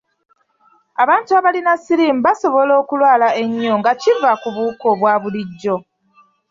Abantu abalina siriimu basobola okulwala ennyo nga kiva ku buwuka obwa bulijjo.